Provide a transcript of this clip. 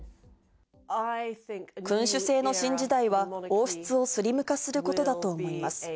君主制の新時代は、王室をスリム化することだと思います。